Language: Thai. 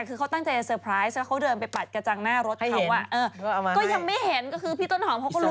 หรือยังไม่เห็นก็คือพี่ต้นหอมเขาก็รุ้น